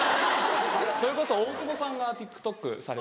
それこそ大久保さんがＴｉｋＴｏｋされてて。